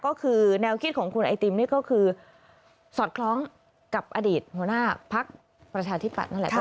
ก็คือแนวคิดของคุณไอติมนี่ก็คือสอดคล้องกับอดีตหัวหน้าพักประชาธิปัตย์นั่นแหละค่ะ